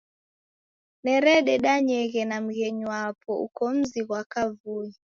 Nerededanyeghe na mghenyu wapo uko mzi ghwa kavui.